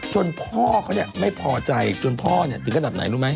จนพ่อเขาไม่พอใจจนพ่อถึงขนาดไหนรู้ไหม